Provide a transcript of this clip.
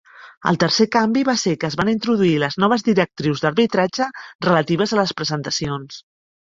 El tercer canvi va ser que es van introduir les noves directrius d'arbitratge relatives a les presentacions.